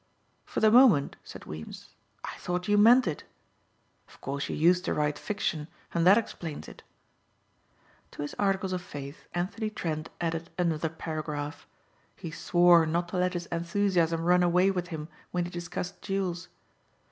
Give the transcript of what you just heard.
"For the moment," said Weems, "I thought you meant it. Of course you used to write fiction and that explains it." To his articles of faith Anthony Trent added another paragraph. He swore not to let his enthusiasm run away with him when he discussed jewels.